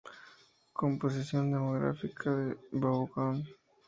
Composición demográfica de Vaughan